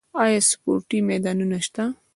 آیا سپورتي میدانونه شته؟